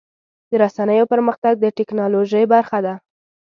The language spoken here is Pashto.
د رسنیو پرمختګ د ټکنالوژۍ برخه ده.